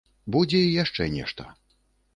Будзе і яшчэ нешта.